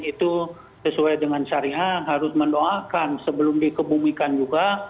itu sesuai dengan syariah harus mendoakan sebelum dikebumikan juga